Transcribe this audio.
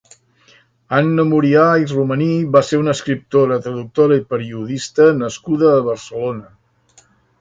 Anna Murià i Romaní va ser una escriptora, traductora i periodista nascuda a Barcelona.